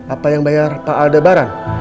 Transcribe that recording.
apa yang bayar pak aldebaran